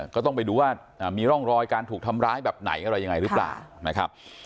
ก็ต้องไปดูว่ามีร่องรอยการถูกทำร้ายแบบไหนอะไรยังไงหรือเปล่านะครับ